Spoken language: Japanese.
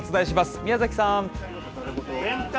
宮崎さん。